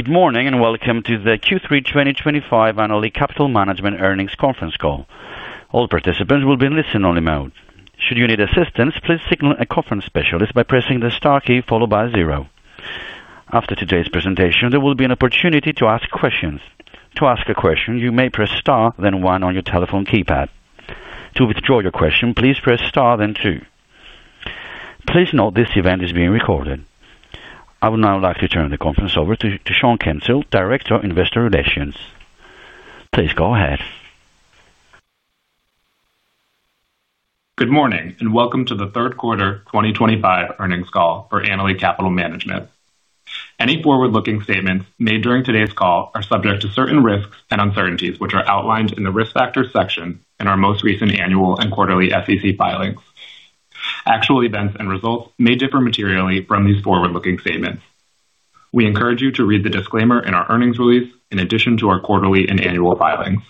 Good morning and welcome to the Q3 2025 Annaly Capital Management Earnings Conference Call. All participants will be in listen-only mode. Should you need assistance, please signal a conference specialist by pressing the star key followed by zero. After today's presentation, there will be an opportunity to ask questions. To ask a question, you may press star, then one on your telephone keypad. To withdraw your question, please press star, then two. Please note this event is being recorded. I would now like to turn the conference over to Sean Kensil, Director of Investor Relations. Please go ahead. Good morning and welcome to the third quarter 2025 earnings call for Annaly Capital Management. Any forward-looking statements made during today's call are subject to certain risks and uncertainties, which are outlined in the risk factors section in our most recent annual and quarterly SEC filings. Actual events and results may differ materially from these forward-looking statements. We encourage you to read the disclaimer in our earnings release in addition to our quarterly and annual filings.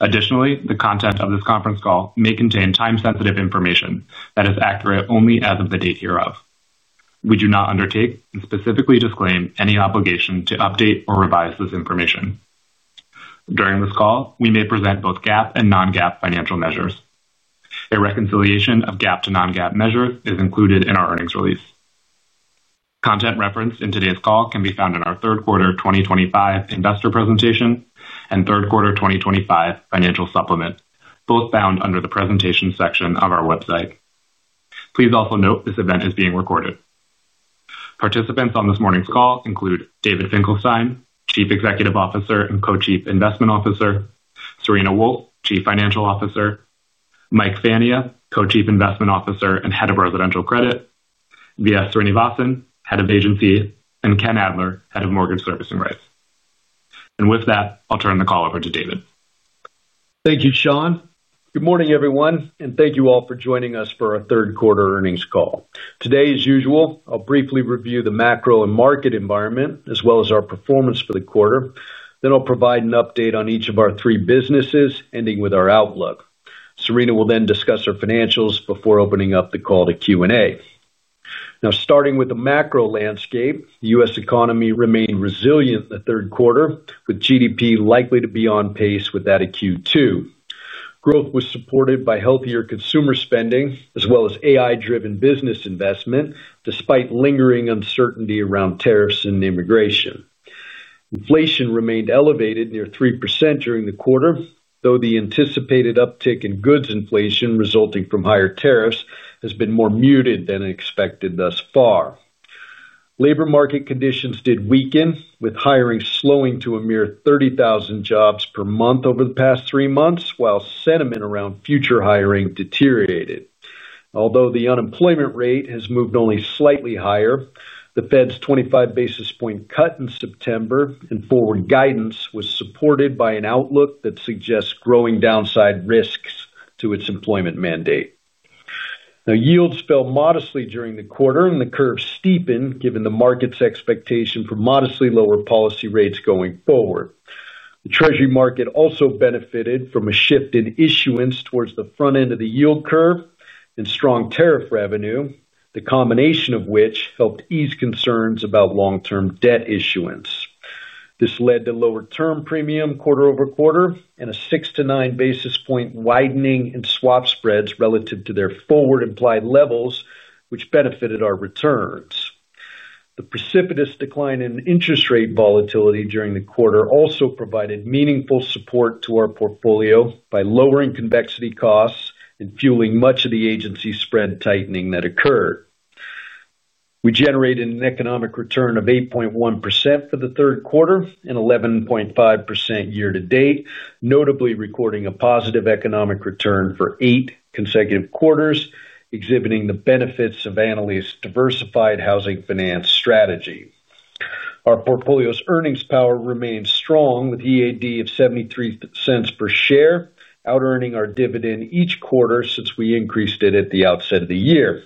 Additionally, the content of this conference call may contain time-sensitive information that is accurate only as of the date hereof. We do not undertake and specifically disclaim any obligation to update or revise this information. During this call, we may present both GAAP and non-GAAP financial measures. A reconciliation of GAAP to non-GAAP measures is included in our earnings release. Content referenced in today's call can be found in our third quarter 2025 investor presentation and third quarter 2025 financial supplement, both found under the presentation section of our website. Please also note this event is being recorded. Participants on this morning's call include David Finkelstein, Chief Executive Officer and Co-Chief Investment Officer; Serena Wolfe, Chief Financial Officer; Mike Fania, Co-Chief Investment Officer and Head of Residential Credit; V.S. Srinivasan, Head of Agency; and Ken Adler, Head of Mortgage Servicing Rights. With that, I'll turn the call over to David. Thank you, Sean. Good morning, everyone, and thank you all for joining us for our third quarter earnings call. Today, as usual, I'll briefly review the macro and market environment as well as our performance for the quarter. I'll provide an update on each of our three businesses, ending with our outlook. Serena will then discuss our financials before opening up the call to Q&A. Now, starting with the macro landscape, the U.S. economy remained resilient in the third quarter, with GDP likely to be on pace with that of Q2. Growth was supported by healthier consumer spending as well as AI-driven business investment, despite lingering uncertainty around tariffs and immigration. Inflation remained elevated near 3% during the quarter, though the anticipated uptick in goods inflation resulting from higher tariffs has been more muted than expected thus far. Labor market conditions did weaken, with hiring slowing to a mere 30,000 jobs per month over the past three months, while sentiment around future hiring deteriorated. Although the unemployment rate has moved only slightly higher, the Fed's 25 basis point cut in September and forward guidance was supported by an outlook that suggests growing downside risks to its employment mandate. Yields fell modestly during the quarter, and the curve steepened given the market's expectation for modestly lower policy rates going forward. The Treasury market also benefited from a shift in issuance towards the front end of the yield curve and strong tariff revenue, the combination of which helped ease concerns about long-term debt issuance. This led to lower term premium quarter-over-quarter and a 6-9 basis point widening in swap spreads relative to their forward implied levels, which benefited our returns. The precipitous decline in interest rate volatility during the quarter also provided meaningful support to our portfolio by lowering convexity costs and fueling much of the agency's spread tightening that occurred. We generated an economic return of 8.1% for the third quarter and 11.5% year to date, notably recording a positive economic return for eight consecutive quarters, exhibiting the benefits of Annaly's diversified housing finance strategy. Our portfolio's earnings power remains strong with EAD of $0.73 per share, out-earning our dividend each quarter since we increased it at the outset of the year.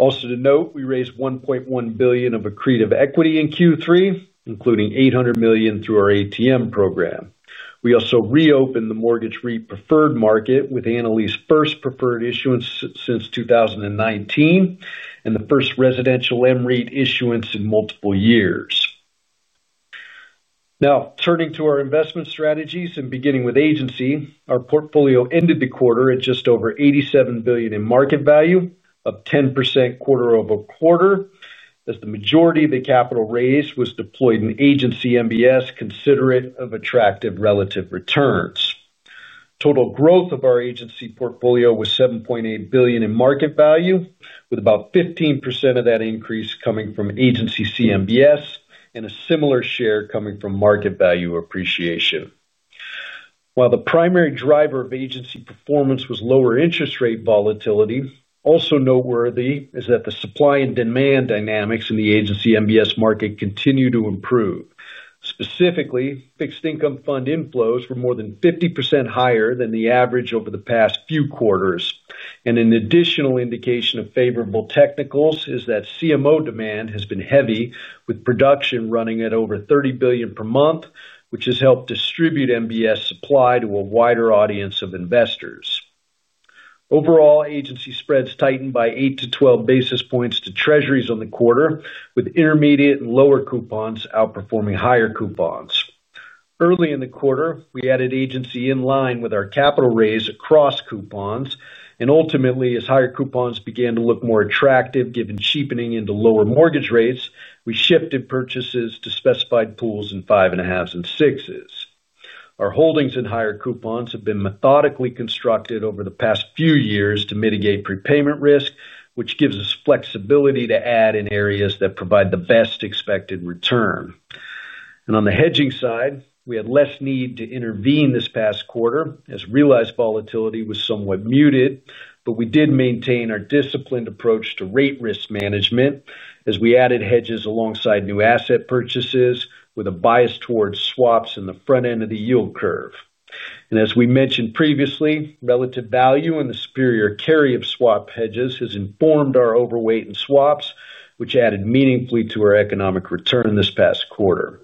Also to note, we raised $1.1 billion of accretive equity in Q3, including $800 million through our ATM program. We also reopened the mortgage REIT preferred market with Annaly's first preferred issuance since 2019 and the first residential MREIT issuance in multiple years. Now, turning to our investment strategies and beginning with agency, our portfolio ended the quarter at just over $87 billion in market value, up 10% quarter-over-quarter, as the majority of the capital raised was deployed in Agency MBS, considerate of attractive relative returns. Total growth of our agency portfolio was $7.8 billion in market value, with about 15% of that increase coming from agency CMBS and a similar share coming from market value appreciation. While the primary driver of agency performance was lower interest rate volatility, also noteworthy is that the supply and demand dynamics in the Agency MBS market continue to improve. Specifically, fixed income fund inflows were more than 50% higher than the average over the past few quarters, and an additional indication of favorable technicals is that CMO demand has been heavy, with production running at over $30 billion per month, which has helped distribute MBS supply to a wider audience of investors. Overall, agency spreads tightened by 8-12 basis points to Treasuries on the quarter, with intermediate and lower coupons outperforming higher coupons. Early in the quarter, we added agency in line with our capital raise across coupons, and ultimately, as higher coupons began to look more attractive, given cheapening into lower mortgage rates, we shifted purchases to specified pools in five and a halves and sixes. Our holdings in higher coupons have been methodically constructed over the past few years to mitigate prepayment risk, which gives us flexibility to add in areas that provide the best expected return. On the hedging side, we had less need to intervene this past quarter, as realized volatility was somewhat muted, but we did maintain our disciplined approach to rate risk management as we added hedges alongside new asset purchases, with a bias towards swaps in the front end of the yield curve. As we mentioned previously, relative value in the superior carry of swap hedges has informed our overweight in swaps, which added meaningfully to our economic return this past quarter.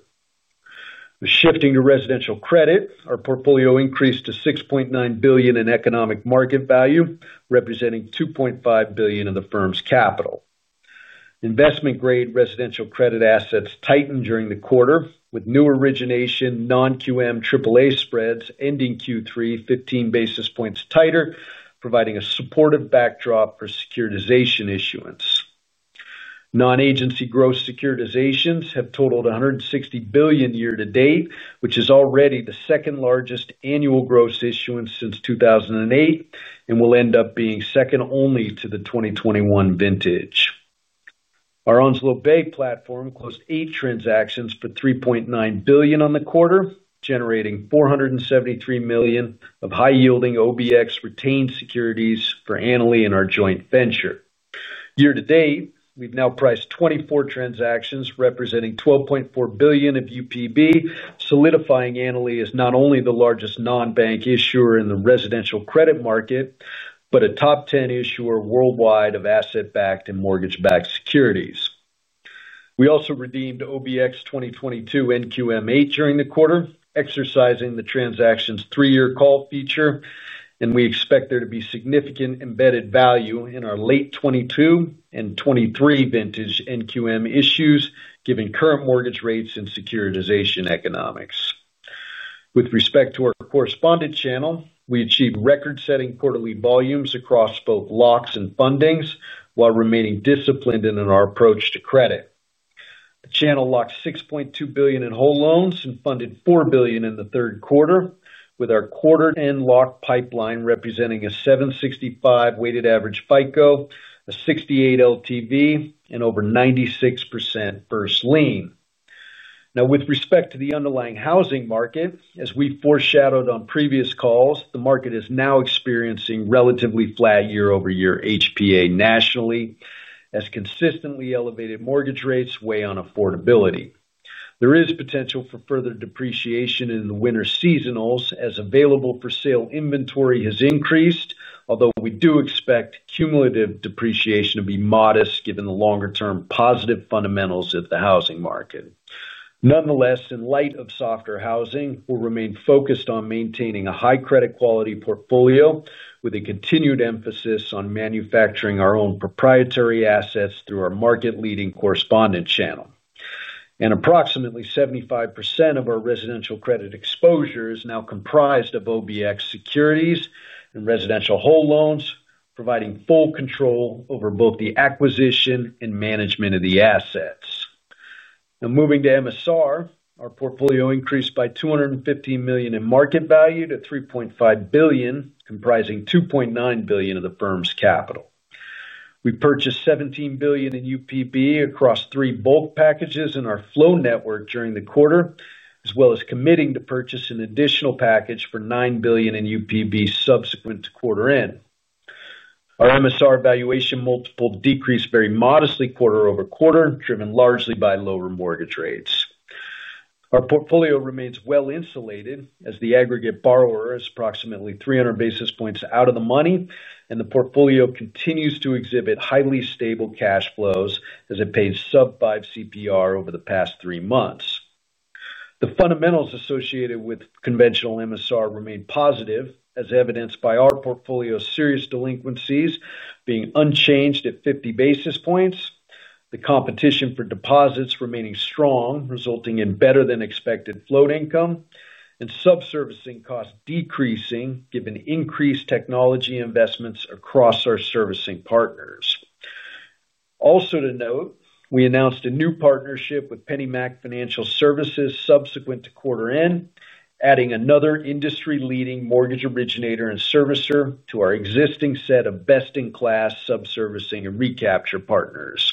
Shifting to residential credit, our portfolio increased to $6.9 billion in economic market value, representing $2.5 billion of the firm's capital. Investment-grade residential credit assets tightened during the quarter, with new origination non-QM AAA spreads ending Q3 15 basis points tighter, providing a supportive backdrop for securitization issuance. Non-agency gross securitizations have totaled $160 billion year to date, which is already the second largest annual gross issuance since 2008 and will end up being second only to the 2021 vintage. Our Onslow Bay platform closed eight transactions for $3.9 billion on the quarter, generating $473 million of high-yielding OBX retained securities for Annaly in our joint venture. Year to date, we've now priced 24 transactions, representing $12.4 billion of UPB, solidifying Annaly as not only the largest non-bank issuer in the residential credit market, but a top ten issuer worldwide of asset-backed and mortgage-backed securities. We also redeemed OBX 2022 NQM 8 during the quarter, exercising the transaction's three-year call feature, and we expect there to be significant embedded value in our late 2022 and 2023 vintage NQM issues, given current mortgage rates and securitization economics. With respect to our correspondent channel, we achieved record-setting quarterly volumes across both locks and fundings, while remaining disciplined in our approach to credit. The channel locked $6.2 billion in whole loans and funded $4 billion in the third quarter, with our quarter-end lock pipeline representing a 765 weighted average FICO, a 68% LTV, and over 96% first lien. Now, with respect to the underlying housing market, as we foreshadowed on previous calls, the market is now experiencing relatively flat year-over-year HPA nationally, as consistently elevated mortgage rates weigh on affordability. There is potential for further depreciation in the winter seasonals, as available for sale inventory has increased, although we do expect cumulative depreciation to be modest given the longer-term positive fundamentals of the housing market. Nonetheless, in light of softer housing, we'll remain focused on maintaining a high credit quality portfolio with a continued emphasis on manufacturing our own proprietary assets through our market-leading correspondent channel. Approximately 75% of our residential credit exposure is now comprised of OBX securities and residential whole loans, providing full control over both the acquisition and management of the assets. Now, moving to MSR, our portfolio increased by $215 million in market value to $3.5 billion, comprising $2.9 billion of the firm's capital. We purchased $17 billion in UPB across three bulk packages in our flow network during the quarter, as well as committing to purchase an additional package for $9 billion in UPB subsequent to quarter end. Our MSR valuation multiple decreased very modestly quarter-over-quarter, driven largely by lower mortgage rates. Our portfolio remains well insulated, as the aggregate borrower is approximately 300 basis points out of the money, and the portfolio continues to exhibit highly stable cash flows as it pays sub-5% CPR over the past three months. The fundamentals associated with conventional MSR remain positive, as evidenced by our portfolio's serious delinquencies being unchanged at 50 basis points, the competition for deposits remaining strong, resulting in better than expected float income, and subservicing costs decreasing, given increased technology investments across our servicing partners. Also to note, we announced a new partnership with PennyMac Financial Services subsequent to quarter end, adding another industry-leading mortgage originator and servicer to our existing set of best-in-class subservicing and recapture partners.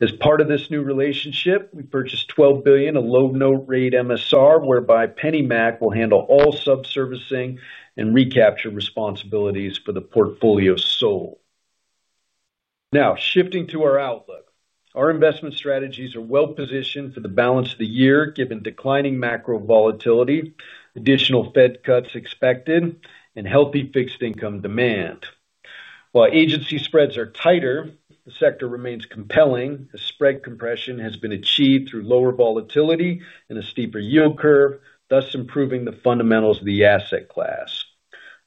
As part of this new relationship, we purchased $12 billion of low-note rate MSR, whereby PennyMac will handle all subservicing and recapture responsibilities for the portfolio sole. Now, shifting to our outlook, our investment strategies are well positioned for the balance of the year, given declining macro volatility, additional Fed cuts expected, and healthy fixed income demand. While agency spreads are tighter, the sector remains compelling, as spread compression has been achieved through lower volatility and a steeper yield curve, thus improving the fundamentals of the asset class.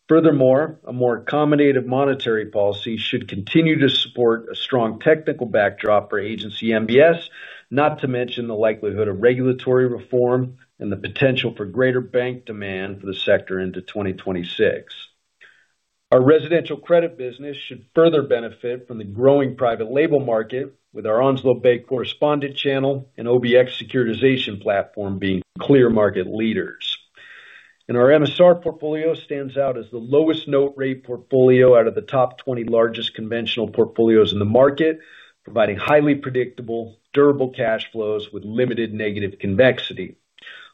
Furthermore, a more accommodative monetary policy should continue to support a strong technical backdrop for agency MBS, not to mention the likelihood of regulatory reform and the potential for greater bank demand for the sector into 2026. Our residential credit business should further benefit from the growing private label market, with our Onslow Bay correspondent channel and OBX securitization platform being clear market leaders. Our MSR portfolio stands out as the lowest note rate portfolio out of the top 20 largest conventional portfolios in the market, providing highly predictable, durable cash flows with limited negative convexity.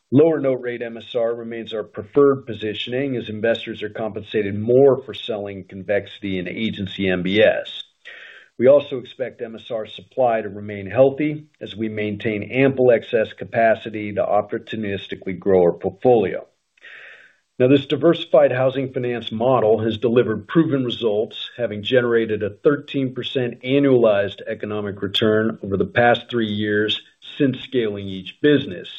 Lower note rate MSR remains our preferred positioning as investors are compensated more for selling convexity in agency MBS. We also expect MSR supply to remain healthy as we maintain ample excess capacity to opportunistically grow our portfolio. This diversified housing finance model has delivered proven results, having generated a 13% annualized economic return over the past three years since scaling each business.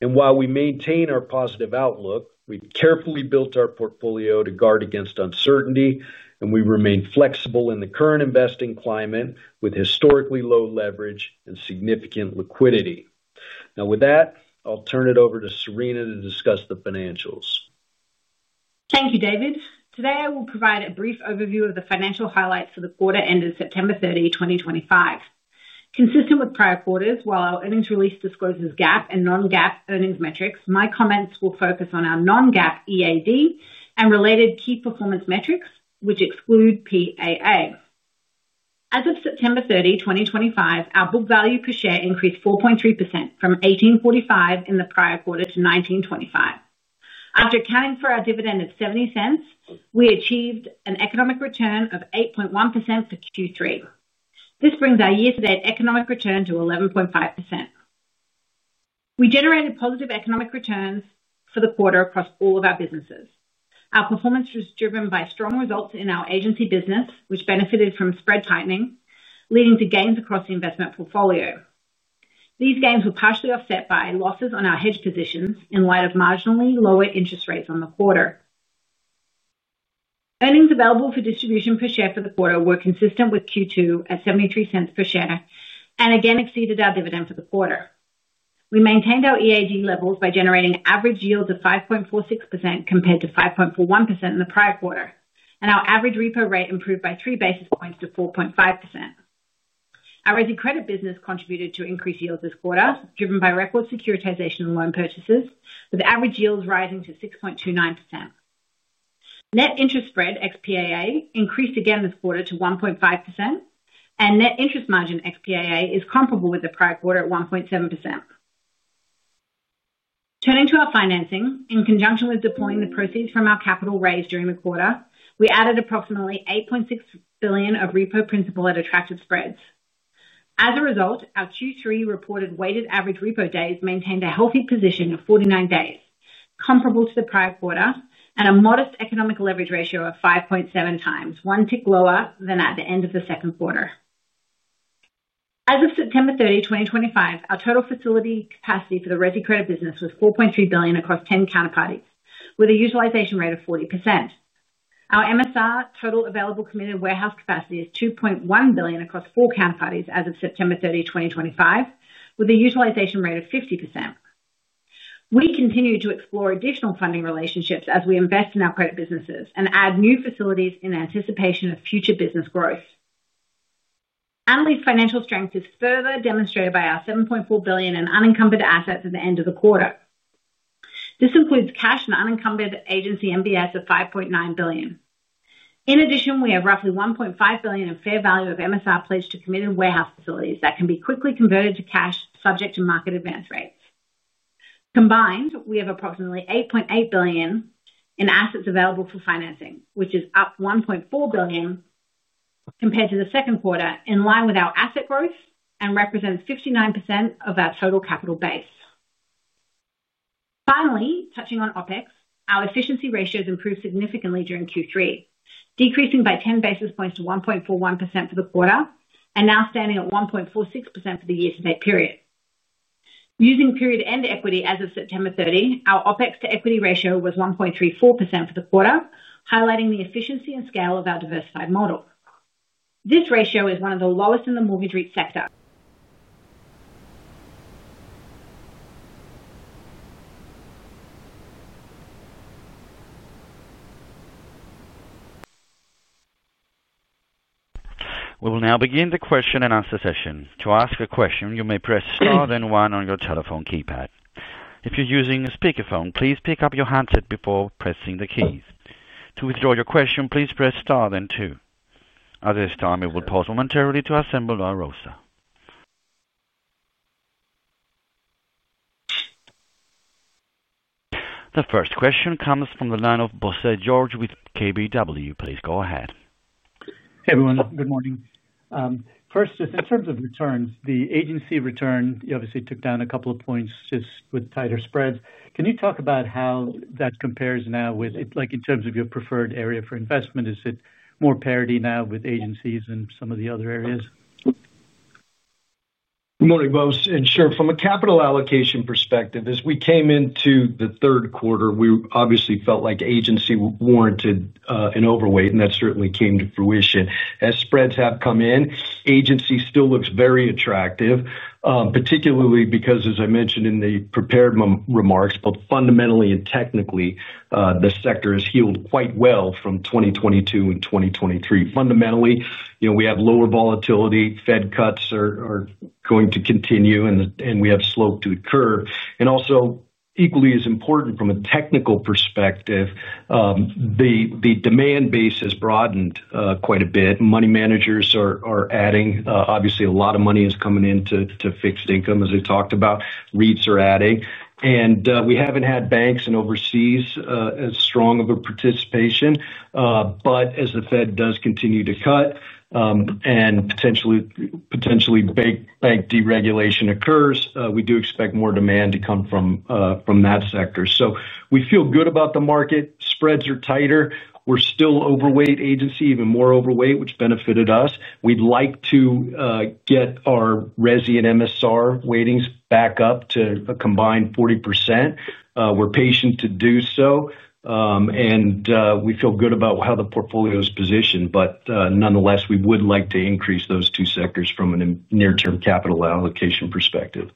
While we maintain our positive outlook, we've carefully built our portfolio to guard against uncertainty, and we remain flexible in the current investing climate with historically low leverage and significant liquidity. With that, I'll turn it over to Serena to discuss the financials. Thank you, David. Today, I will provide a brief overview of the financial highlights for the quarter ended September 30, 2025. Consistent with prior quarters, while our earnings release discloses GAAP and non-GAAP earnings metrics, my comments will focus on our non-GAAP EAD and related key performance metrics, which exclude PAA. As of September 30, 2025, our book value per share increased 4.3% from $18.45 in the prior quarter to $19.25. After accounting for our dividend at $0.70, we achieved an economic return of 8.1% for Q3. This brings our year-to-date economic return to 11.5%. We generated positive economic returns for the quarter across all of our businesses. Our performance was driven by strong results in our agency business, which benefited from spread tightening, leading to gains across the investment portfolio. These gains were partially offset by losses on our hedge positions in light of marginally lower interest rates on the quarter. Earnings available for distribution per share for the quarter were consistent with Q2 at $0.73 per share and again exceeded our dividend for the quarter. We maintained our EAD levels by generating average yields of 5.46% compared to 5.41% in the prior quarter, and our average repo rate improved by three basis points to 4.5%. Our residential credit business contributed to increased yields this quarter, driven by record securitization and loan purchases, with average yields rising to 6.29%. Net interest spread ex-PAA increased again this quarter to 1.5%, and net interest margin ex-PAA is comparable with the prior quarter at 1.7%. Turning to our financing, in conjunction with deploying the proceeds from our capital raised during the quarter, we added approximately $8.6 billion of repo principal at attractive spreads. As a result, our Q3 reported weighted average repo days maintained a healthy position of 49 days, comparable to the prior quarter, and a modest economic leverage ratio of 5.7 times, one tick lower than at the end of the second quarter. As of September 30, 2025, our total facility capacity for the residential credit business was $4.3 billion across 10 counterparties, with a utilization rate of 40%. Our MSR total available committed warehouse capacity is $2.1 billion across four counterparties as of September 30, 2025, with a utilization rate of 50%. We continue to explore additional funding relationships as we invest in our credit businesses and add new facilities in anticipation of future business growth. Annaly's financial strength is further demonstrated by our $7.4 billion in unencumbered assets at the end of the quarter. This includes cash and unencumbered Agency MBS of $5.9 billion. In addition, we have roughly $1.5 billion in fair value of Mortgage Servicing Rights pledged to committed warehouse facilities that can be quickly converted to cash subject to market advance rates. Combined, we have approximately $8.8 billion in assets available for financing, which is up $1.4 billion compared to the second quarter, in line with our asset growth and represents 59% of our total capital base. Finally, touching on OpEx, our efficiency ratios improved significantly during Q3, decreasing by 10 basis points to 1.41% for the quarter and now standing at 1.46% for the year-to-date period. Using period end equity as of September 30, our OpEx to equity ratio was 1.34% for the quarter, highlighting the efficiency and scale of our diversified model. This ratio is one of the lowest in the mortgage REIT sector. We will now begin the question-and-answer session. To ask a question, you may press star, then one on your telephone keypad. If you're using a speakerphone, please pick up your handset before pressing the keys. To withdraw your question, please press star, then two. At this time, we will pause momentarily to assemble our roster. The first question comes from the line of Bose George with KBW. Please go ahead. Hey, everyone. Good morning. First, just in terms of returns, the agency return, you obviously took down a couple of points just with tighter spreads. Can you talk about how that compares now with, like, in terms of your preferred area for investment? Is it more parity now with agencies and some of the other areas? Good morning. From a capital allocation perspective, as we came into the third quarter, we obviously felt like agency warranted an overweight, and that certainly came to fruition. As spreads have come in, agency still looks very attractive, particularly because, as I mentioned in the prepared remarks, both fundamentally and technically, the sector has healed quite well from 2022 and 2023. Fundamentally, you know, we have lower volatility. Fed cuts are going to continue, and we have sloped to occur. Also, equally as important from a technical perspective, the demand base has broadened quite a bit. Money managers are adding. Obviously, a lot of money is coming into fixed income, as I talked about. REITs are adding. We haven't had banks overseas as strong of a participation. As the Fed does continue to cut and potentially bank deregulation occurs, we do expect more demand to come from that sector. We feel good about the market. Spreads are tighter. We're still overweight agency, even more overweight, which benefited us. We'd like to get our resi and MSR weightings back up to a combined 40%. We're patient to do so. We feel good about how the portfolio is positioned. Nonetheless, we would like to increase those two sectors from a near-term capital allocation perspective.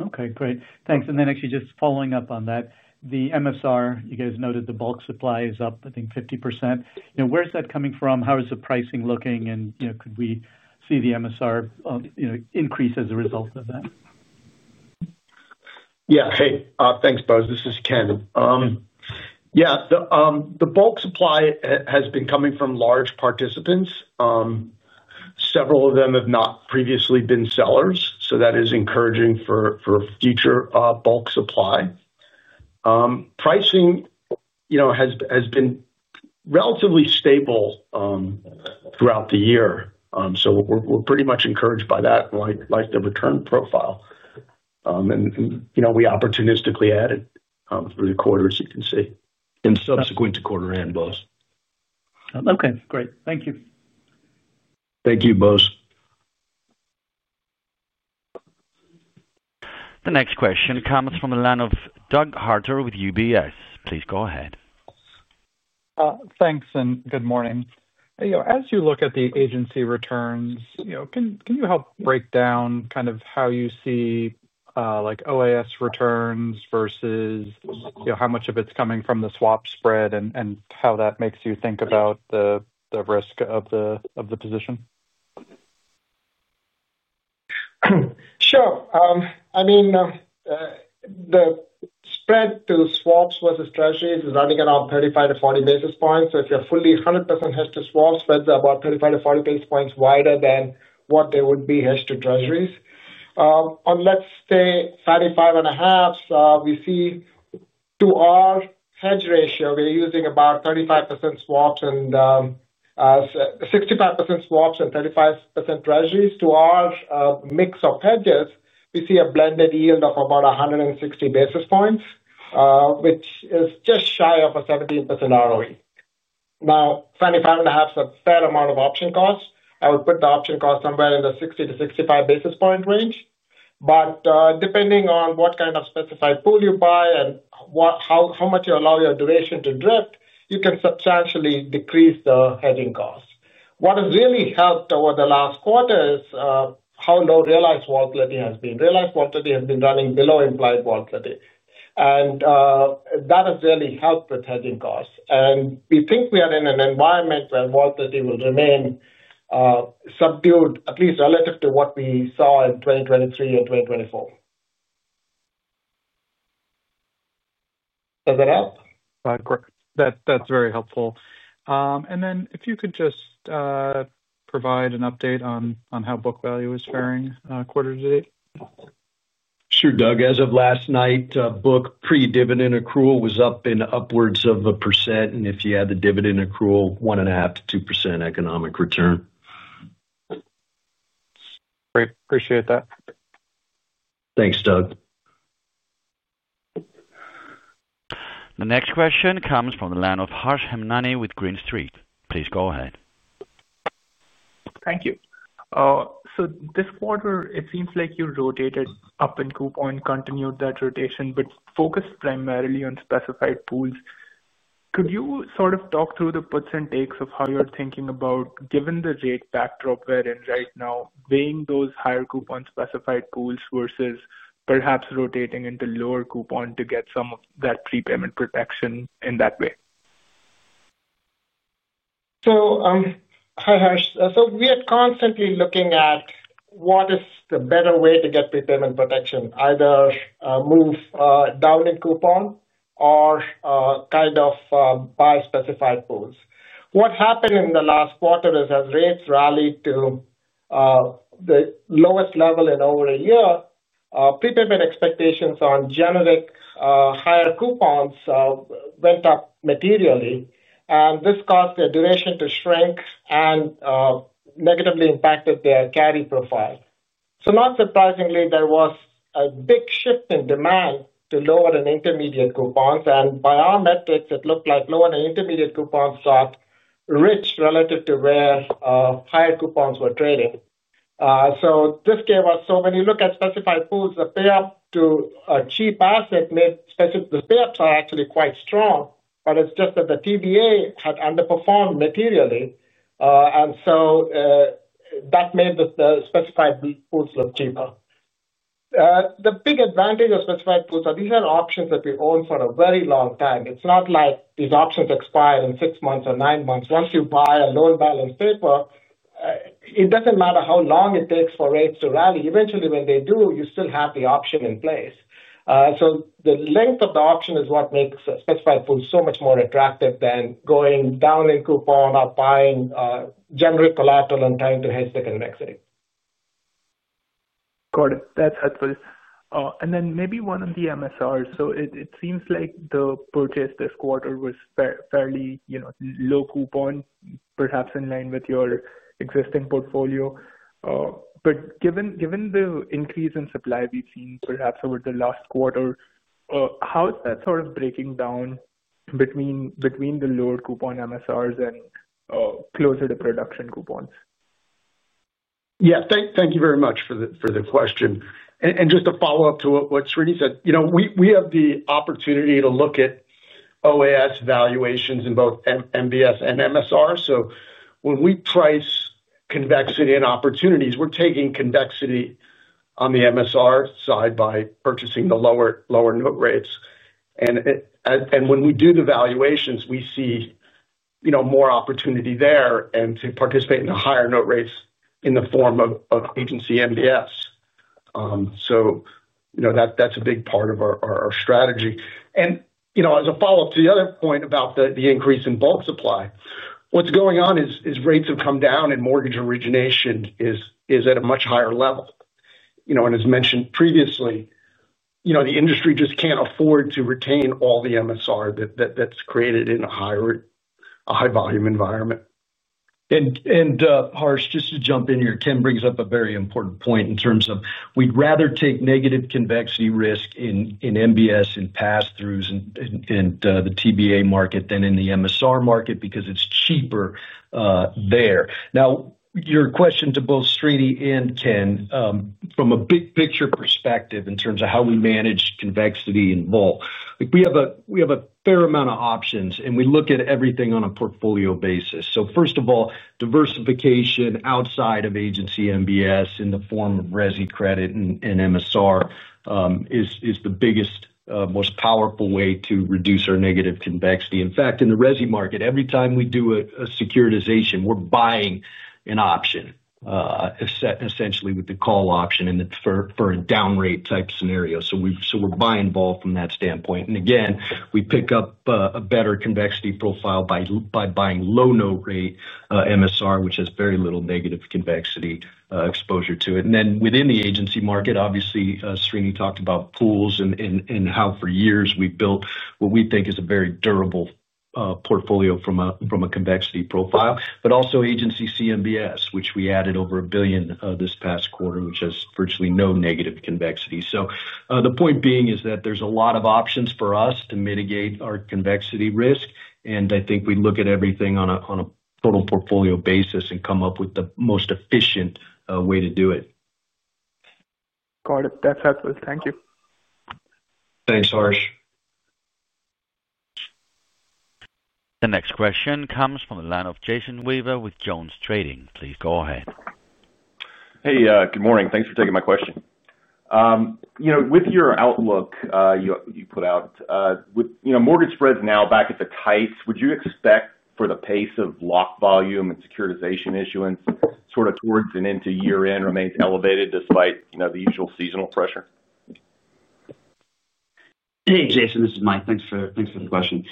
Okay, great. Thanks. Actually, just following up on that, the MSR, you guys noted the bulk supply is up, I think, 50%. Where's that coming from? How is the pricing looking? Could we see the MSR increase as a result of that? Yeah. Hey, thanks, Bose. This is Ken. Yeah, the bulk supply has been coming from large participants. Several of them have not previously been sellers, which is encouraging for future bulk supply. Pricing has been relatively stable throughout the year. We are pretty much encouraged by that, like the return profile. We opportunistically added through the quarters, you can see, and subsequent to quarter end, Bose. Okay, great. Thank you. Thank you, Bose. The next question comes from the line of Doug Harter with UBS. Please go ahead. Thanks, and good morning. As you look at the agency returns, can you help break down kind of how you see, like OAS returns versus how much of it's coming from the swap spread and how that makes you think about the risk of the position? Sure. I mean, the spread to swaps versus treasuries is running around 35-40 basis points. If you're fully 100% hedged to swaps, spreads are about 35-40 basis points wider than what they would be hedged to treasuries. On, let's say, 35.5, we see to our hedge ratio, we're using about 65% swaps and 35% treasuries. To our mix of hedges, we see a blended yield of about 160 basis points, which is just shy of a 17% ROE. Now, 35.5 is a fair amount of option cost. I would put the option cost somewhere in the 60-65 basis point range. Depending on what kind of specified pool you buy and how much you allow your duration to drift, you can substantially decrease the hedging cost. What has really helped over the last quarter is how low realized volatility has been. Realized volatility has been running below implied volatility. That has really helped with hedging costs. We think we are in an environment where volatility will remain subdued, at least relative to what we saw in 2023 and 2024. Does that help? That's very helpful. If you could just provide an update on how book value is faring quarter to date. Sure, Doug. As of last night, book pre-dividend accrual was up in the upwards of 1%. If you add the dividend accrual, 1.5% to 2% economic return. Great. Appreciate that. Thanks, Doug. The next question comes from the line of Harsh Hemnani with Green Street. Please go ahead. Thank you. This quarter, it seems like you rotated up in coupon and continued that rotation, but focused primarily on specified pools. Could you sort of talk through the puts and takes of how you're thinking about, given the rate backdrop we're in right now, weighing those higher coupon specified pools versus perhaps rotating into lower coupon to get some of that prepayment protection in that way? Hi, Harsh. We are constantly looking at what is the better way to get prepayment protection, either move down in coupon or kind of buy specified pools. What happened in the last quarter is as rates rallied to the lowest level in over a year, prepayment expectations on generic higher coupons went up materially. This caused their duration to shrink and negatively impacted their carry profile. Not surprisingly, there was a big shift in demand to lower and intermediate coupons. By our metrics, it looked like lower and intermediate coupons got rich relative to where higher coupons were trading. This gave us, when you look at specified pools, the payup to a cheap asset made specific, the payups are actually quite strong, but it's just that the TBA had underperformed materially. That made the specified pools look cheaper. The big advantage of specified pools is these are options that we own for a very long time. It's not like these options expire in six months or nine months. Once you buy a loan balance paper, it doesn't matter how long it takes for rates to rally. Eventually, when they do, you still have the option in place. The length of the option is what makes specified pools so much more attractive than going down in coupon or buying generic collateral and trying to hedge the convexity. Got it. That's helpful. Maybe one on the MSR. It seems like the purchase this quarter was fairly, you know, low coupon, perhaps in line with your existing portfolio. Given the increase in supply we've seen perhaps over the last quarter, how is that sort of breaking down between the lower coupon MSRs and closer to production coupons? Thank you very much for the question. Just to follow up to what Serena said, we have the opportunity to look at OAS valuations in both MBS and MSR. When we price convexity and opportunities, we're taking convexity on the MSR side by purchasing the lower note rates. When we do the valuations, we see more opportunity there and to participate in the higher note rates in the form of Agency MBS. That's a big part of our strategy. As a follow-up to the other point about the increase in bulk supply, what's going on is rates have come down and mortgage origination is at a much higher level. As mentioned previously, the industry just can't afford to retain all the Mortgage Servicing Rights that's created in a high-volume environment. Harsh, just to jump in here, Ken brings up a very important point in terms of we'd rather take negative convexity risk in MBS and pass-throughs in the TBA market than in the MSR market because it's cheaper there. Your question to both Serena and Ken, from a big picture perspective in terms of how we manage convexity in bulk, we have a fair amount of options, and we look at everything on a portfolio basis. First of all, diversification outside of Agency MBS in the form of residential credit and MSR is the biggest, most powerful way to reduce our negative convexity. In fact, in the residential market, every time we do a securitization, we're buying an option, essentially with the call option and for a down-rate type scenario. We're buying vol from that standpoint. We pick up a better convexity profile by buying low note rate MSR, which has very little negative convexity exposure to it. Within the agency market, obviously, Serena talked about pools and how for years we've built what we think is a very durable portfolio from a convexity profile, but also agency CMBS, which we added over $1 billion this past quarter, which has virtually no negative convexity. The point is that there's a lot of options for us to mitigate our convexity risk. I think we look at everything on a total portfolio basis and come up with the most efficient way to do it. Got it. That's helpful. Thank you. Thanks, Harsh. The next question comes from the line of Jason Weaver with JonesTrading. Please go ahead. Hey, good morning. Thanks for taking my question. With your outlook you put out, with mortgage spreads now back at the tight, would you expect for the pace of lock volume and securitization issuance sort of towards and into year-end remains elevated despite the usual seasonal pressure? Hey, Jason. This is Mike. Thanks for the question.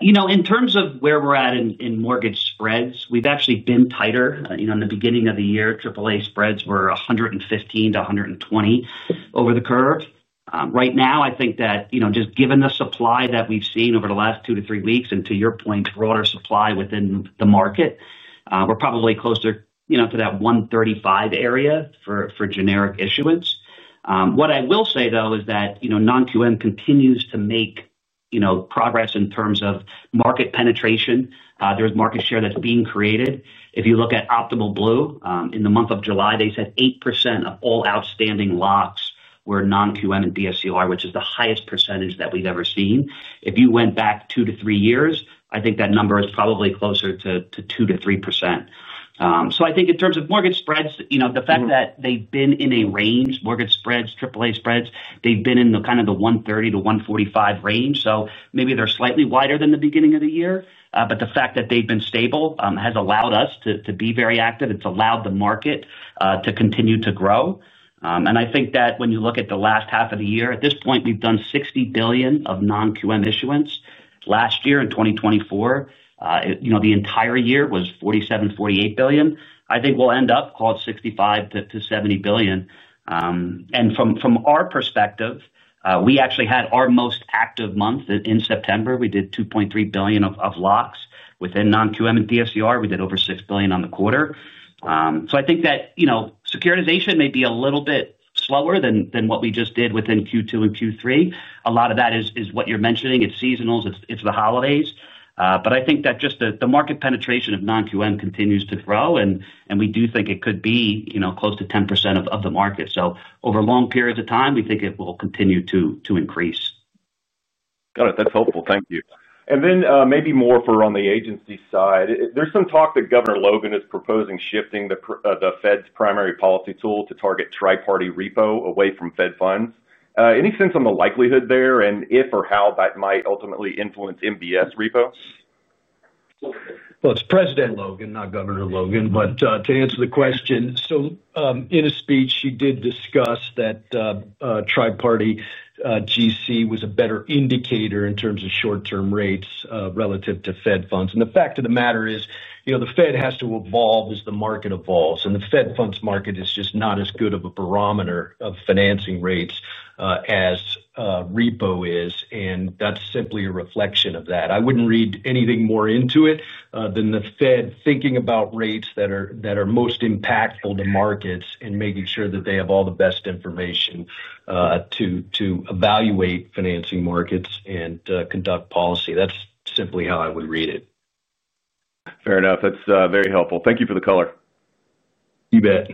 In terms of where we're at in mortgage spreads, we've actually been tighter. In the beginning of the year, AAA spreads were 115-120 over the curve. Right now, I think that just given the supply that we've seen over the last two to three weeks and, to your point, broader supply within the market, we're probably closer to that 135 area for generic issuance. What I will say, though, is that non-QM continues to make progress in terms of market penetration. There's market share that's being created. If you look at Optimal Blue, in the month of July, they said 8% of all outstanding locks were non-QM and DSCR, which is the highest percentage that we've ever seen. If you went back two to three years, I think that number is probably closer to 2%-3%. In terms of mortgage spreads, the fact that they've been in a range, mortgage spreads, AAA spreads, they've been in the 130-145 range. Maybe they're slightly wider than the beginning of the year, but the fact that they've been stable has allowed us to be very active. It's allowed the market to continue to grow. I think that when you look at the last half of the year, at this point, we've done $60 billion of non-QM issuance. Last year in 2024, the entire year was $47 to $48 billion. I think we'll end up, call it $65 billion-$70 billion. From our perspective, we actually had our most active month in September. We did $2.3 billion of locks within non-QM and DSCR. We did over $6 billion on the quarter. Securitization may be a little bit slower than what we just did within Q2 and Q3. A lot of that is what you're mentioning. It's seasonals. It's the holidays. The market penetration of non-QM continues to grow, and we do think it could be close to 10% of the market. Over long periods of time, we think it will continue to increase. Got it. That's helpful. Thank you. Maybe more for on the agency side. There's some talk that Governor Logan is proposing shifting the Fed's primary policy tool to target tri-party repo away from Fed funds. Any sense on the likelihood there and if or how that might ultimately influence MBS repo? It's President Logan, not Governor Logan. To answer the question, in a speech, she did discuss that tri-party GC was a better indicator in terms of short-term rates relative to Fed funds. The fact of the matter is, you know, the Fed has to evolve as the market evolves. The Fed funds market is just not as good of a barometer of financing rates as repo is, and that's simply a reflection of that. I wouldn't read anything more into it than the Fed thinking about rates that are most impactful to markets and making sure that they have all the best information to evaluate financing markets and conduct policy. That's simply how I would read it. Fair enough. That's very helpful. Thank you for the color. You bet.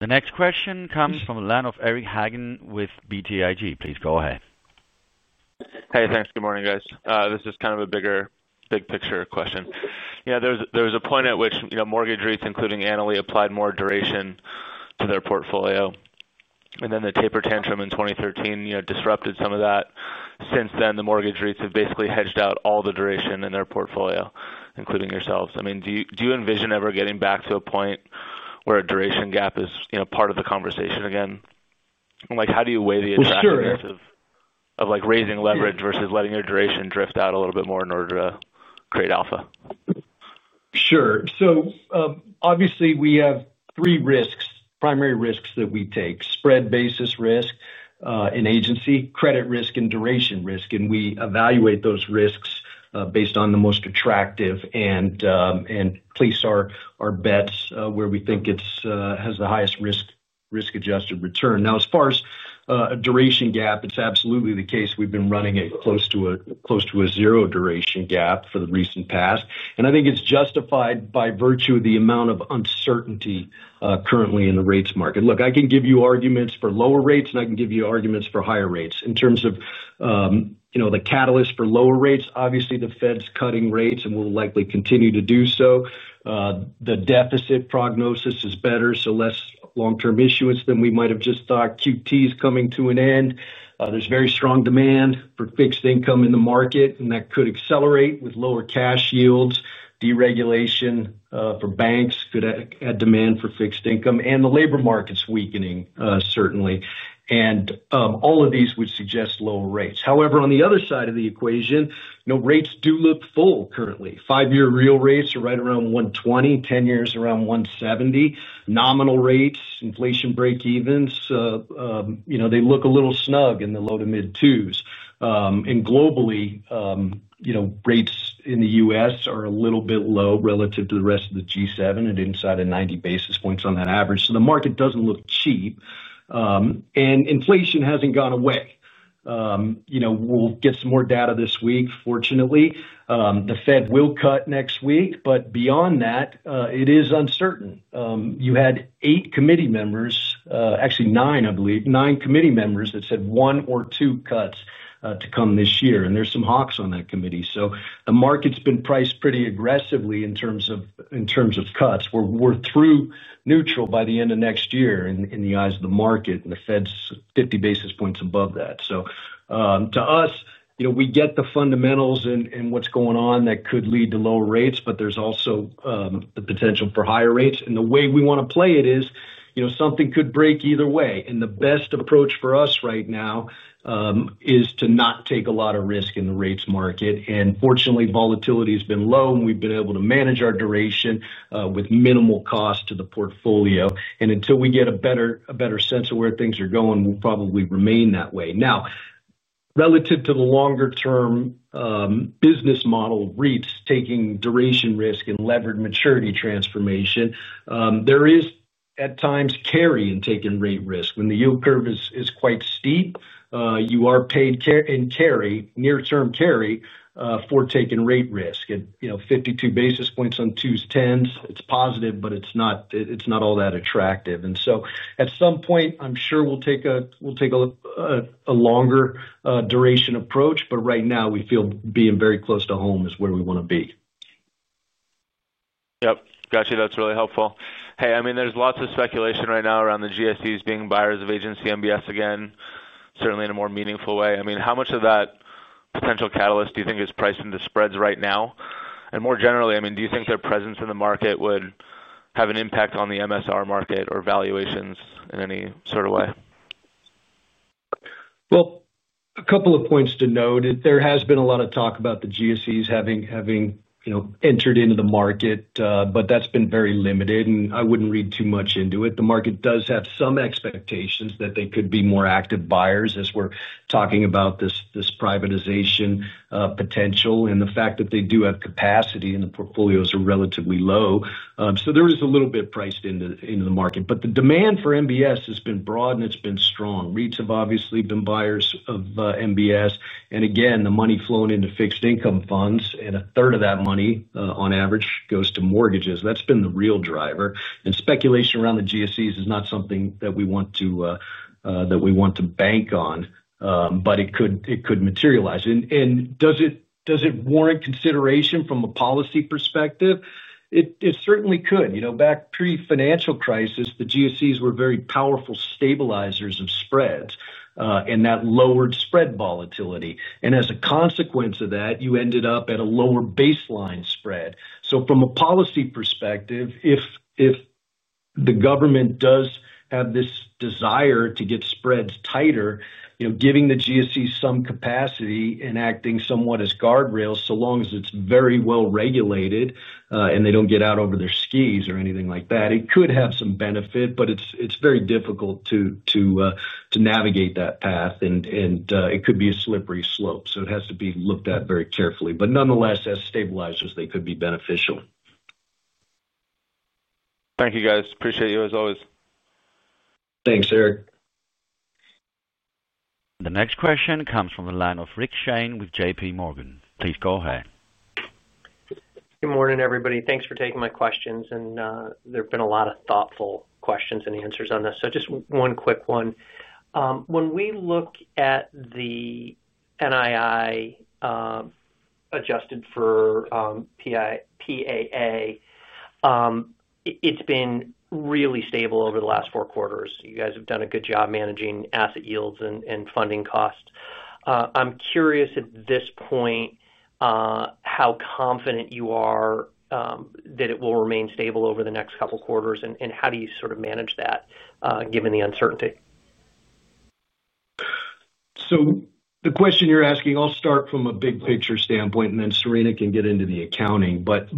The next question comes from the line of Eric Hagen with BTIG. Please go ahead. Hey, thanks. Good morning, guys. This is kind of a bigger big picture question. There was a point at which mortgage REITs, including Annaly, applied more duration to their portfolio. The taper tantrum in 2013 disrupted some of that. Since then, the mortgage REITs have basically hedged out all the duration in their portfolio, including yourselves. Do you envision ever getting back to a point where a duration gap is part of the conversation again? How do you weigh the attractiveness of raising leverage versus letting your duration drift out a little bit more in order to create alpha? Sure. Obviously, we have three risks, primary risks that we take: spread basis risk in agency, credit risk, and duration risk. We evaluate those risks based on the most attractive and place our bets where we think it has the highest risk-adjusted return. Now, as far as a duration gap, it's absolutely the case. We've been running close to a zero duration gap for the recent past. I think it's justified by virtue of the amount of uncertainty currently in the rates market. Look, I can give you arguments for lower rates, and I can give you arguments for higher rates. In terms of the catalyst for lower rates, obviously, the Fed's cutting rates and will likely continue to do so. The deficit prognosis is better, so less long-term issuance than we might have just thought. QT is coming to an end. There's very strong demand for fixed income in the market, and that could accelerate with lower cash yields. Deregulation for banks could add demand for fixed income. The labor market's weakening, certainly. All of these would suggest lower rates. However, on the other side of the equation, rates do look full currently. Five-year real rates are right around 120, 10 years around 170. Nominal rates, inflation break-evens, they look a little snug in the low to mid twos. Globally, rates in the U.S. are a little bit low relative to the rest of the G7 and inside of 90 basis points on that average. The market doesn't look cheap. Inflation hasn't gone away. We'll get some more data this week, fortunately. The Fed will cut next week, but beyond that, it is uncertain. You had eight committee members, actually nine, I believe, nine committee members that said one or two cuts to come this year. There are some hawks on that committee. The market's been priced pretty aggressively in terms of cuts. We're through neutral by the end of next year in the eyes of the market, and the Fed's 50 basis points above that. To us, we get the fundamentals and what's going on that could lead to lower rates, but there's also the potential for higher rates. The way we want to play it is, something could break either way. The best approach for us right now is to not take a lot of risk in the rates market. Fortunately, volatility has been low, and we've been able to manage our duration with minimal cost to the portfolio. Until we get a better sense of where things are going, we'll probably remain that way. Relative to the longer-term business model of REITs, taking duration risk and levered maturity transformation, there is at times carry in taking rate risk. When the yield curve is quite steep, you are paid in carry, near-term carry for taking rate risk. Fifty-two basis points on 2s 10s is positive, but it's not all that attractive. At some point, I'm sure we'll take a longer duration approach, but right now we feel being very close to home is where we want to be. Gotcha. That's really helpful. There's lots of speculation right now around the GSEs being buyers of Agency MBS again, certainly in a more meaningful way. How much of that potential catalyst do you think is priced into spreads right now? More generally, do you think their presence in the market would have an impact on the MSR market or valuations in any sort of way? A couple of points to note. There has been a lot of talk about the GSEs having, you know, entered into the market, but that's been very limited, and I wouldn't read too much into it. The market does have some expectations that they could be more active buyers as we're talking about this privatization potential and the fact that they do have capacity and the portfolios are relatively low. There is a little bit priced into the market. The demand for MBS has been broad and it's been strong. REITs have obviously been buyers of MBS. Again, the money flowing into fixed income funds and a third of that money on average goes to mortgages. That's been the real driver. Speculation around the GSEs is not something that we want to bank on, but it could materialize. Does it warrant consideration from a policy perspective? It certainly could. Back pre-financial crisis, the GSEs were very powerful stabilizers of spreads, and that lowered spread volatility. As a consequence of that, you ended up at a lower baseline spread. From a policy perspective, if the government does have this desire to get spreads tighter, you know, giving the GSEs some capacity and acting somewhat as guardrails, so long as it's very well regulated and they don't get out over their skis or anything like that, it could have some benefit, but it's very difficult to navigate that path, and it could be a slippery slope. It has to be looked at very carefully. Nonetheless, as stabilizers, they could be beneficial. Thank you, guys. Appreciate you as always. Thanks, Eric. The next question comes from the line of Rick Shane with JPMorgan. Please go ahead. Good morning, everybody. Thanks for taking my questions. There have been a lot of thoughtful questions and answers on this. Just one quick one. When we look at the NII adjusted for PAA, it's been really stable over the last four quarters. You guys have done a good job managing asset yields and funding costs. I'm curious at this point how confident you are that it will remain stable over the next couple of quarters, and how do you sort of manage that given the uncertainty? The question you're asking, I'll start from a big picture standpoint, and then Serena can get into the accounting. At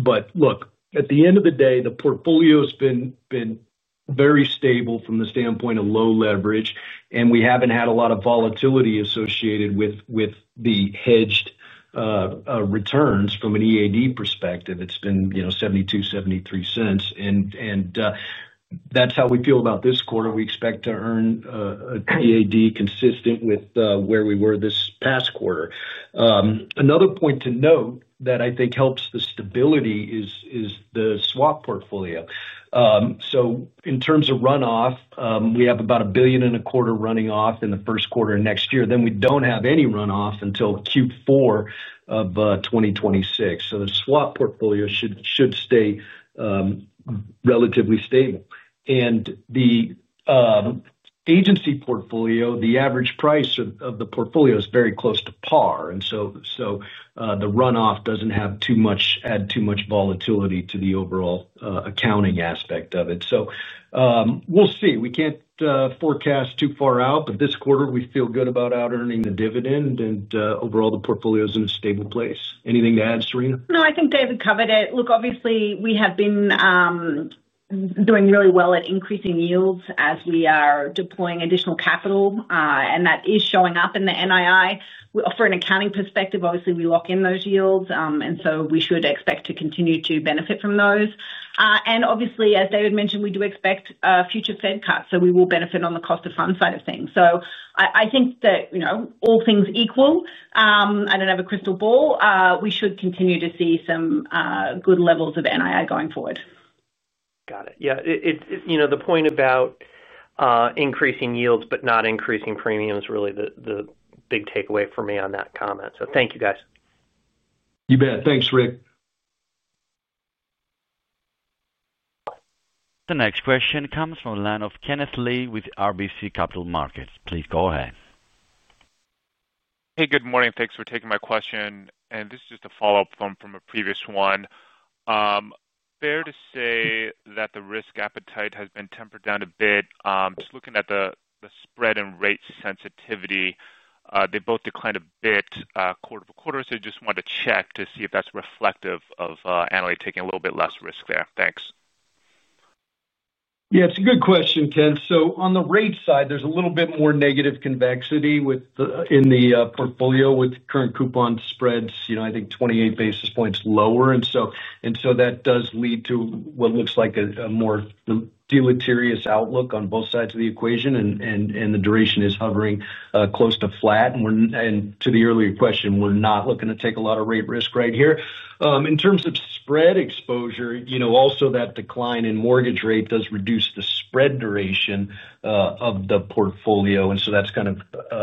the end of the day, the portfolio has been very stable from the standpoint of low leverage, and we haven't had a lot of volatility associated with the hedged returns from an EAD perspective. It's been $0.72, $0.73, and that's how we feel about this quarter. We expect to earn an EAD consistent with where we were this past quarter. Another point to note that I think helps the stability is the swap portfolio. In terms of runoff, we have about $1.25 billion running off in the first quarter next year. We don't have any runoff until Q4 of 2026. The swap portfolio should stay relatively stable. The agency portfolio, the average price of the portfolio is very close to par, and the runoff doesn't add too much volatility to the overall accounting aspect of it. We can't forecast too far out, but this quarter we feel good about out-earning the dividend, and overall the portfolio is in a stable place. Anything to add, Serena? No, I think David covered it. Look, obviously, we have been doing really well at increasing yields as we are deploying additional capital, and that is showing up in the NII. From an accounting perspective, obviously, we lock in those yields, and we should expect to continue to benefit from those. Obviously, as David mentioned, we do expect future Fed cuts, so we will benefit on the cost of fund side of things. I think that, you know, all things equal, I don't have a crystal ball, we should continue to see some good levels of NII going forward. Got it. The point about increasing yields but not increasing premiums is really the big takeaway for me on that comment. Thank you, guys. You bet. Thanks, Rick. The next question comes from the line of Kenneth Lee with RBC Capital Markets. Please go ahead. Hey, good morning. Thanks for taking my question. This is just a follow-up from a previous one. Fair to say that the risk appetite has been tempered down a bit. Just looking at the spread and rate sensitivity, they both declined a bit quarter to quarter. I just wanted to check to see if that's reflective of Annaly Capital Management taking a little bit less risk there. Thanks. Yeah, it's a good question, Ken. On the rate side, there's a little bit more negative convexity in the portfolio with current coupon spreads, I think 28 basis points lower. That does lead to what looks like a more deleterious outlook on both sides of the equation, and the duration is hovering close to flat. To the earlier question, we're not looking to take a lot of rate risk right here. In terms of spread exposure, also that decline in mortgage rate does reduce the spread duration of the portfolio. That's kind of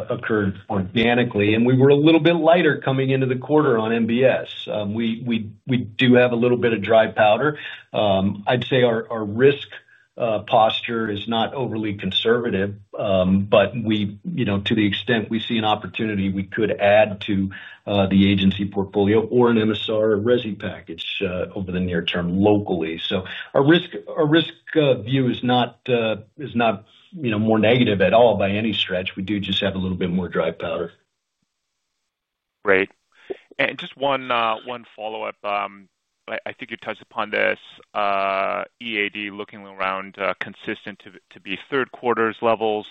occurred organically. We were a little bit lighter coming into the quarter on Agency MBS. We do have a little bit of dry powder. I'd say our risk posture is not overly conservative, but to the extent we see an opportunity, we could add to the agency portfolio or a Mortgage Servicing Rights or residential credit package over the near term locally. Our risk view is not more negative at all by any stretch. We do just have a little bit more dry powder. Great. Just one follow-up. I think you touched upon this. EAD looking around consistent to be third quarter's levels.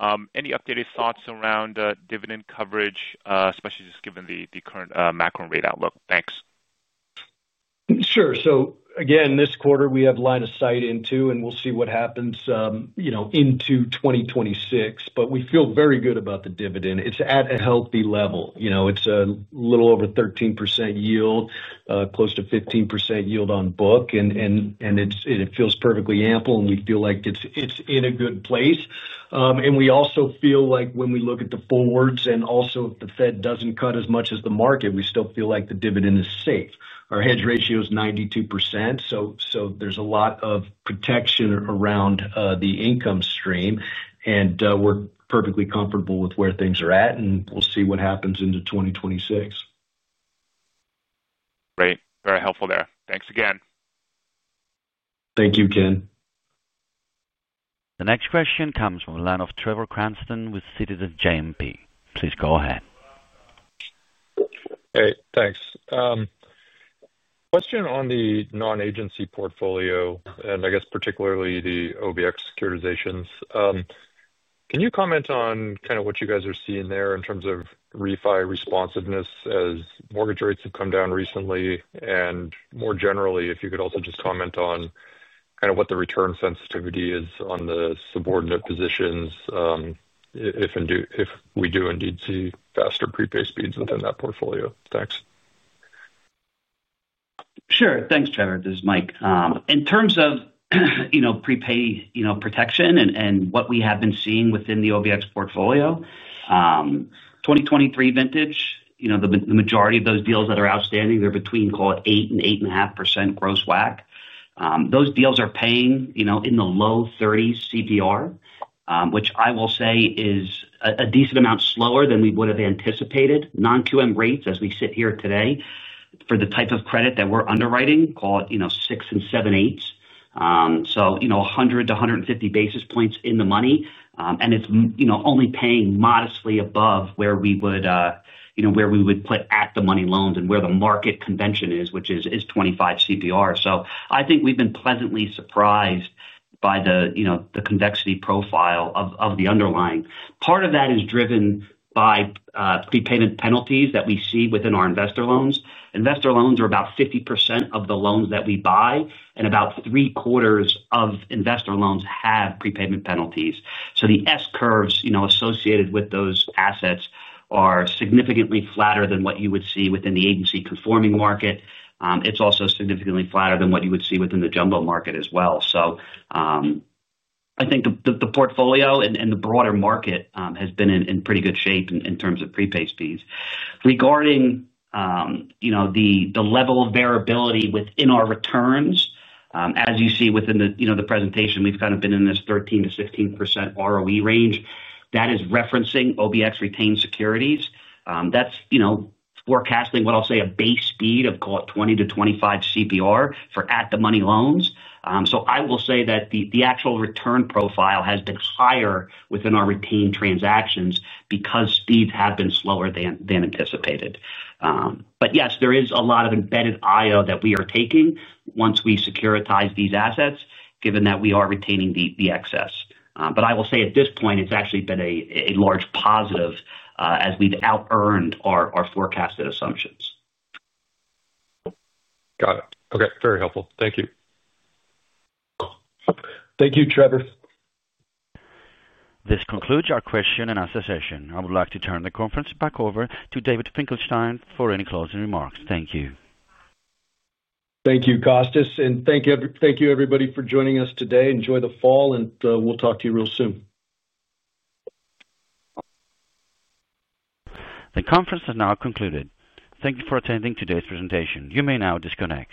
Any updated thoughts around dividend coverage, especially just given the current macro and rate outlook? Thanks. Sure. This quarter we have line of sight into, and we'll see what happens into 2026. We feel very good about the dividend. It's at a healthy level. It's a little over 13% yield, close to 15% yield on book, and it feels perfectly ample. We feel like it's in a good place. We also feel like when we look at the forwards and also if the Fed doesn't cut as much as the market, we still feel like the dividend is safe. Our hedge ratio is 92%. There's a lot of protection around the income stream, and we're perfectly comfortable with where things are at, and we'll see what happens into 2026. Great. Very helpful there. Thanks again. Thank you, Ken. The next question comes from the line of Trevor John Cranston with Citizens JMP. Please go ahead. Hey, thanks. Question on the non-agency portfolio, and I guess particularly the OBX securitizations. Can you comment on kind of what you guys are seeing there in terms of refi responsiveness as mortgage rates have come down recently? If you could also just comment on kind of what the return sensitivity is on the subordinate positions, if we do indeed see faster prepaid speeds within that portfolio. Thanks. Sure. Thanks, Trevor. This is Mike. In terms of prepay protection and what we have been seeing within the OBX portfolio, 2023 vintage, the majority of those deals that are outstanding, they're between, call it, 8%-8.5% gross WAC. Those deals are paying in the low 30s CBR, which I will say is a decent amount slower than we would have anticipated. Non-QM rates as we sit here today for the type of credit that we're underwriting, call it, you know, 6.875%. So, 100-150 basis points in the money. It's only paying modestly above where we would put at the money loans and where the market convention is, which is 25 CBR. I think we've been pleasantly surprised by the convexity profile of the underlying. Part of that is driven by prepayment penalties that we see within our investor loans. Investor loans are about 50% of the loans that we buy, and about three quarters of investor loans have prepayment penalties. The S curves associated with those assets are significantly flatter than what you would see within the agency conforming market. It's also significantly flatter than what you would see within the jumbo market as well. I think the portfolio and the broader market has been in pretty good shape in terms of prepaid speeds. Regarding the level of variability within our returns, as you see within the presentation, we've kind of been in this 13% to 15% ROE range. That is referencing OBX retained securities. That's forecasting what I'll say a base speed of, call it, 20 to 25 CBR for at the money loans. I will say that the actual return profile has been higher within our retained transactions because speeds have been slower than anticipated. Yes, there is a lot of embedded IO that we are taking once we securitize these assets, given that we are retaining the excess. I will say at this point, it's actually been a large positive as we've out-earned our forecasted assumptions. Got it. Okay. Very helpful. Thank you. Thank you, Trevor. This concludes our question and answer session. I would like to turn the conference back over to David Finkelstein for any closing remarks. Thank you. Thank you, Kostas. Thank you, everybody, for joining us today. Enjoy the fall, and we'll talk to you real soon. The conference is now concluded. Thank you for attending today's presentation. You may now disconnect.